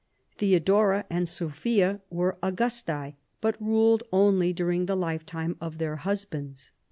Theodora and Sophia were Augusta?, but ruled only during the lifetime of their husbands.